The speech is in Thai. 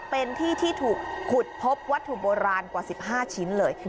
เป็นที่ที่ถูกขุดพบวัตถุโบราณกว่า๑๕ชิ้นเลย